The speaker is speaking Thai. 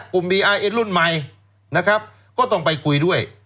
บีอาร์เอ็นรุ่นใหม่นะครับก็ต้องไปคุยด้วย